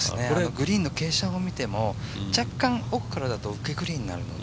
グリーンの傾斜を見ても若干奥から見ても受けグリーンになるので。